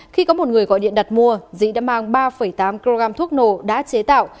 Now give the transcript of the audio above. khi có một người gọi điện đặt mua dĩ đã mang ba tám kg thuốc nổ đã chế tạo